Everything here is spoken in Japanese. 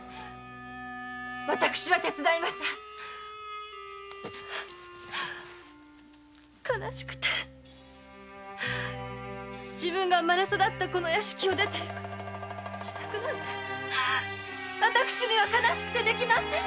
私は手伝いません悲しくて自分が生まれ育った屋敷を出て行く支度なんて悲しくてできません。